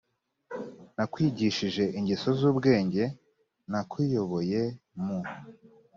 nakwigishije ingeso z ubwenge nakuyoboye mu